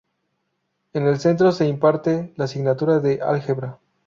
En el centro se imparte la asignatura de álgebra.